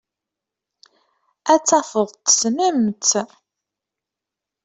Ad tafeḍ tessnem-tt.